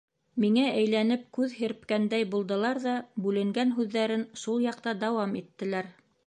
Миңә әйләнеп күҙ һирпкәндәй булдылар ҙа, бүленгән һүҙҙәрен шул яҡта дауам иттеләр: